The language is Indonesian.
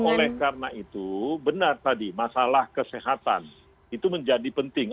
oleh karena itu benar tadi masalah kesehatan itu menjadi penting